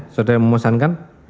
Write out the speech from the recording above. saudara yang memesankan